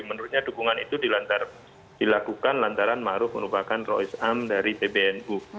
menurutnya dukungan itu dilakukan lantaran ma'ruf merupakan rois am dari pbnu